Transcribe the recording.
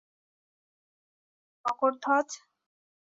না, দরকার নেই মকরধ্বজ।